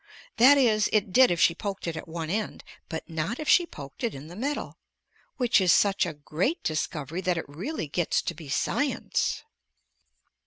That is, it did if she poked it at one end, but not if she poked it in the middle, which is such a great discovery that it really gets to be science!